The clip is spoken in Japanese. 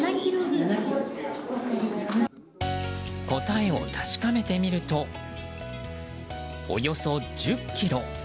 答えを確かめてみるとおよそ１０ｋｇ。